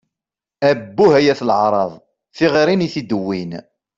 Abbuh, ay at leεṛaḍ! Tiɣiṛin i tid-wwin!